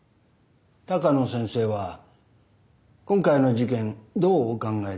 鷹野先生は今回の事件どうお考えですか？